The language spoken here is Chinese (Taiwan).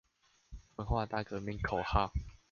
文化大革命口號